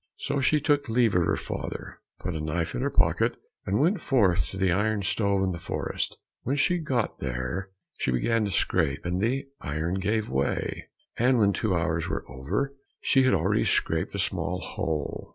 So she took leave of her father, put a knife in her pocket, and went forth to the iron stove in the forest. When she got there, she began to scrape, and the iron gave way, and when two hours were over, she had already scraped a small hole.